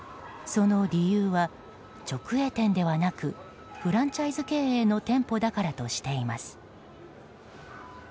その理由は、直営店ではなくフランチャイズ経営の店舗だからとしています。